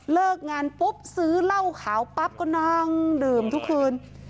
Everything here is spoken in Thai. เลิกงานปุ๊บซื้อเหล้าขาวปั๊บก็นั่งดื่มทุกคืน